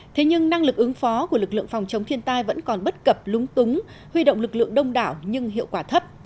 thế nhưng năng lực ứng phó của lực lượng phòng chống thiên tai vẫn còn bất cập lúng túng huy động lực lượng đông đảo nhưng hiệu quả thấp